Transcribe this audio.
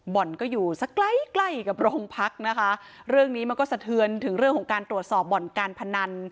บ่อนก็อยู่สักใกล้ใกล้กับโรงพักนะคะเรื่องนี้มันก็สะเทือนถึงเรื่องของการตรวจสอบบ่อนการพนัน